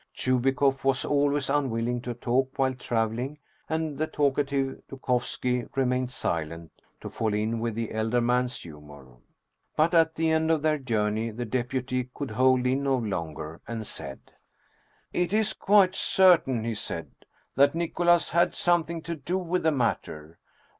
Chubikoff was always un willing to talk while traveling, and the talkative Dukovski remained silent, to fall in with the elder man's humor. But at the end of their journey the deputy could hold in no longer, and said: " It is quite certain," he said, " that Nicholas had some thing to do with the matter.